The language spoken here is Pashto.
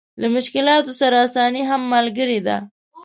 له مشکلاتو سره اساني هم ملګرې ده.